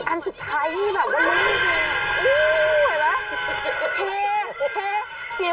อันสุดท้ายนี่แบบว่ารุ่นจริง